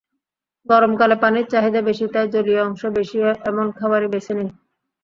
গরমকালে পানির চাহিদা বেশি, তাই জলীয় অংশ বেশি এমন খাবারই বেছে নিন।